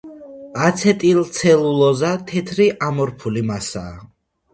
აცეტილცელულოზა თეთრი ამორფული მასაა.